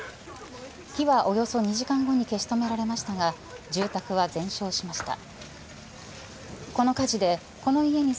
火は、およそ２時間後に消し止められましたが住宅は全焼しました。